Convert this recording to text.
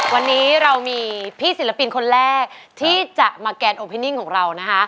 วันนี้เรามีพี่ศิลปินคนแรกที่จะมาแกนโอพินิ่งของเรานะคะ